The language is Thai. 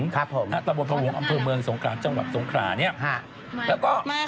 ครับผมฮะตะบนพวงอำเภอเมืองสงครามจังหวัดสงขราเนี่ยฮะแล้วก็มา